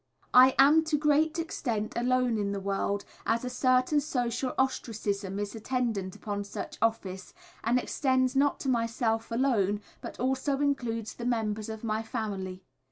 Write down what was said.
I am to a great extent alone in the world, as a certain social ostracism is attendant upon such office, and extends, not to myself alone, but also includes the members of my family.